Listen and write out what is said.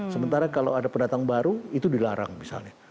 sementara kalau ada pendatang baru itu dilarang misalnya